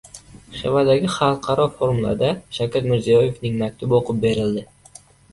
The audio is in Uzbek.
Xivadagi xalqaro forumda Shavkat Mirziyoevning maktubi o‘qib berildi